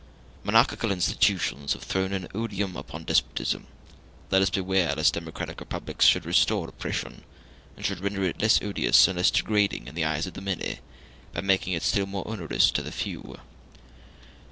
Monarchical institutions have thrown an odium upon despotism; let us beware lest democratic republics should restore oppression, and should render it less odious and less degrading in the eyes of the many, by making it still more onerous to the few.